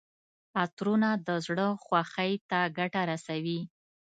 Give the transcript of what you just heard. عطرونه د زړه خوښۍ ته ګټه رسوي.